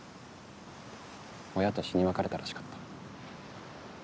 親と死に別れたらしかった。